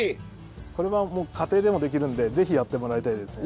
これはもう家庭でもできるんでぜひやってもらいたいですね。